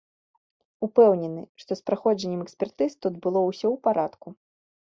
Упэўнены, што з праходжаннем экспертыз тут было ўсё ў парадку.